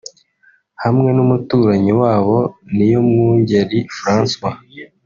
hamwe n’umuturanyi wabo Niyomwungeri Francois